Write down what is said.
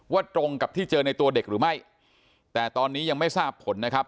ตรงกับที่เจอในตัวเด็กหรือไม่แต่ตอนนี้ยังไม่ทราบผลนะครับ